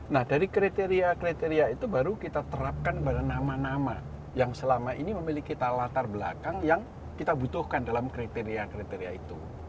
nah dari kriteria kriteria itu baru kita terapkan pada nama nama yang selama ini memiliki latar belakang yang kita butuhkan dalam kriteria kriteria itu